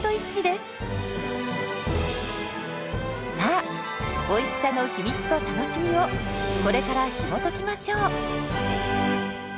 さあおいしさの秘密と楽しみをこれからひもときましょう！